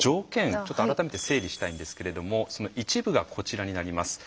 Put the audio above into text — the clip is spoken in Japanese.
ちょっと改めて整理したいんですけれどもその一部がこちらになります。